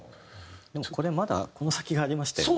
でもこれまだこの先がありましたよね。